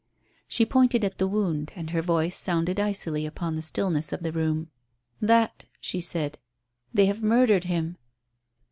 She pointed at the wound, and her voice sounded icily upon the stillness of the room. "That," she said. "They have murdered him."